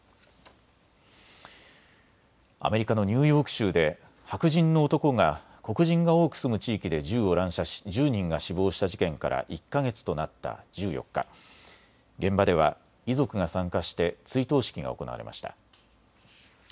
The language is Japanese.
アメリカのニューヨーク州で白人の男が黒人が多く住む地域で銃を乱射し１０人が死亡した事件から１か月となった１４日、現場では遺族が参加して追悼式が行われました。